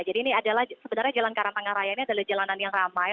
jadi ini adalah sebenarnya jalan karangtengah raya ini adalah jalanan yang ramai